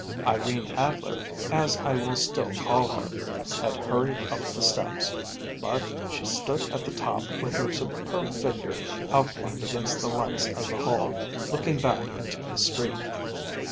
Irene Adler, as I will still call her, had hurried up the steps; but she stood at the top with her superb figure outlined against the lights of the hall, looking back into the street.